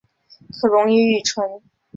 可溶于乙醇。